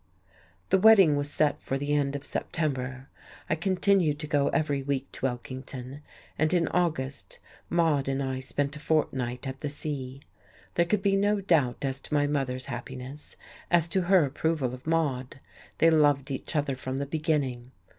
The wedding was set for the end of September. I continued to go every week to Elkington, and in August, Maude and I spent a fortnight at the sea. There could be no doubt as to my mother's happiness, as to her approval of Maude; they loved each other from the beginning.